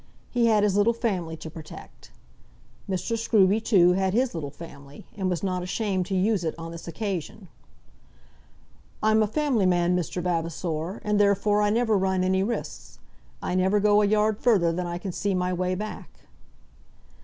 He had his little family to protect. Mr. Scruby, too, had his little family, and was not ashamed to use it on this occasion. "I'm a family man, Mr. Vavasor, and therefore I never run any risks. I never go a yard further than I can see my way back."